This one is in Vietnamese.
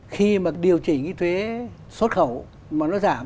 khi mà điều chỉnh cái thuế xuất khẩu mà nó giảm